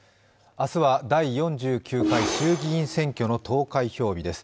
明日は第４９回衆議院選挙の投開票日です。